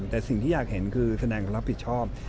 แต่สิ่งที่อยากเห็นคือแสดงความรับผิดชอบ